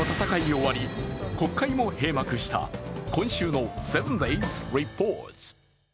終わり、国会も閉幕した今週の「７ｄａｙｓリポート」。